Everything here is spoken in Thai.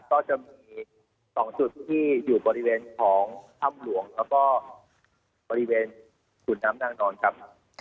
ก็จะมี๒จุดที่อยู่บริเวณของถ้ำหลวงแล้วก็บริเวณขุนน้ำนางนอนครับ